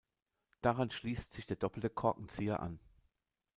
Daran schließt sich der doppelte Korkenzieher an.